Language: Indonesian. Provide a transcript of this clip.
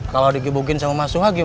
kalau digibukin sama mas sungha gimana